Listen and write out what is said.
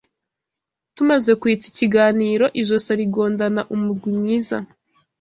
Tumaze kwitsa ikiganiro Ijosi arigondana umugwi mwiza